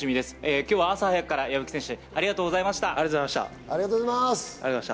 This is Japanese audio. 今日は朝早くから屋比久選手、ありがとうございました。